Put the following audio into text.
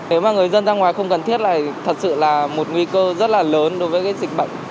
nếu mà người dân ra ngoài không cần thiết này thật sự là một nguy cơ rất là lớn đối với cái dịch bệnh